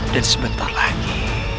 dan sebentar lagi